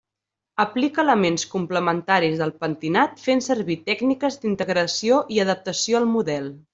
Aplica elements complementaris del pentinat fent servir tècniques d'integració i adaptació al model.